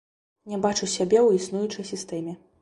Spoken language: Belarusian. Не бачу сябе ў існуючай сістэме.